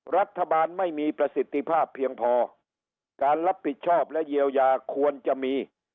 รัฐบาลไม่มีประสิทธิภาพเพียงพอการรับผิดชอบและเยียวยาควรจะมี